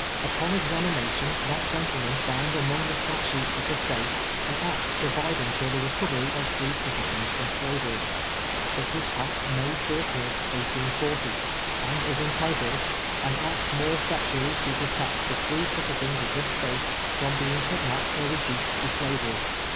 Upon examination, that gentleman found among the statutes of the State an act providing for the re covery of free citizens from slavery. It was passed May 14, 184:0, and is entitled "An act more eifectu ally to protect the free citizens of this State from heing kidnapped or reduced to slavery."